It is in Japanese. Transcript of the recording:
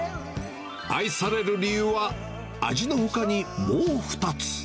愛される理由は味のほかにもう２つ。